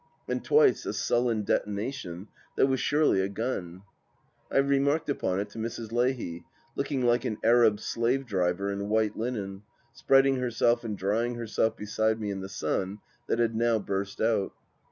... And twice a sullen detonation that was surely a gun ? I remarked upon it to Mrs. Leahy, looking like an Arab slave driver in white linen, spreading herself and drying her self beside me in the sim, that had now burst out.